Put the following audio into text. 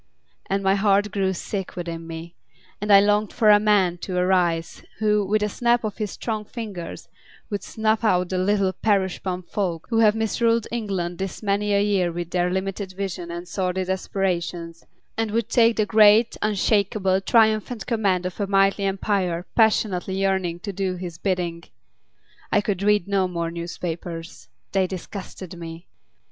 And my heart grew sick within me, and I longed for a Man to arise who, with a snap of his strong fingers, would snuff out the Little Parish Pump Folk who have misruled England this many a year with their limited vision and sordid aspirations, and would take the great, unshakable, triumphant command of a mighty Empire passionately yearning to do his bidding... I could read no more newspapers. They disgusted me.